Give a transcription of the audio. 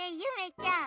ちゃん